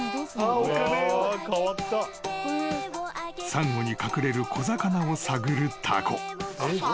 ［サンゴに隠れる小魚を探るタコ］